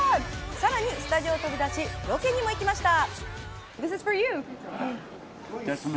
さらにスタジオを飛び出し、ロケにも行きました。